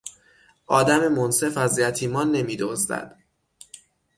آدم منصف از یتیمان نمیدزدد.